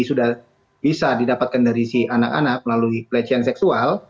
sudah bisa didapatkan dari si anak anak melalui pelecehan seksual